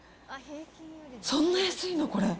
そんな安いの、これ？